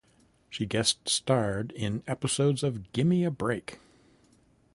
She guest-starred in episodes of Gimme A Break!